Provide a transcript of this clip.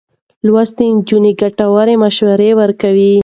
لوستې نجونې ګټورې مشورې ورکوي.